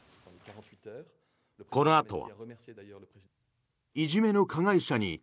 このあとは。